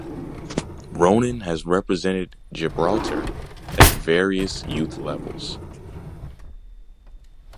Ronan has represented Gibraltar at various youth levels.